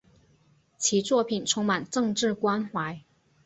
其作品充满政治关怀。